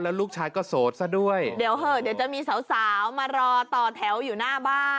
และลูกชายก็โสดซะด้วยเดี๋ยวจะมีสาวมารอต่อแถวอยู่หน้าบ้าน